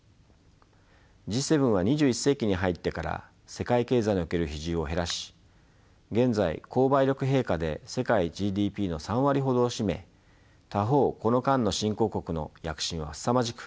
Ｇ７は２１世紀に入ってから世界経済における比重を減らし現在購買力平価で世界ＧＤＰの３割ほどを占め他方この間の新興国の躍進はすさまじく